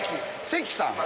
関さん。